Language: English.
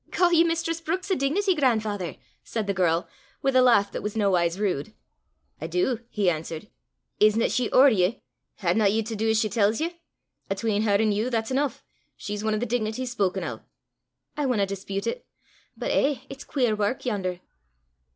"Ca' ye mistress Brookes a dignity, gran'father!" said the girl, with a laugh that was nowise rude. "I do," he answered. "Isna she ower ye? Haena ye to du as she tells ye? 'Atween her an' you that's eneuch: she's ane o' the dignities spoken o'." "I winna dispute it. But, eh, it's queer wark yon'er!"